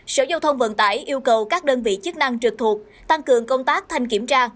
sở giao thông vận tải yêu cầu các đơn vị chức năng trực thuộc tăng cường công tác thanh kiểm tra